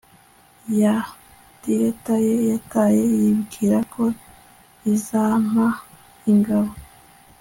ya delta ye yataye, yibwira ko izampa ingabo